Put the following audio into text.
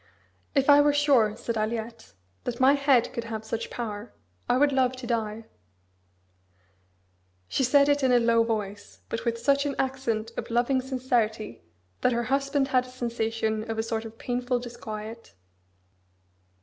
"If I were sure," said Aliette, "that my head could have such power, I would love to die." She said it in a low voice, but with such an accent of loving sincerity that her husband had a sensation of a sort of painful disquiet.